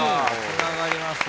つながりますよ。